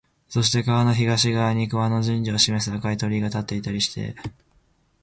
そして川の東側に熊野神社を示す赤い鳥居が立っていたりして、